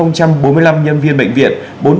một bốn mươi năm nhân viên bệnh viện